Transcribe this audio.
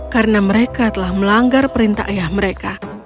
karena mereka telah melanggar perintah ayah mereka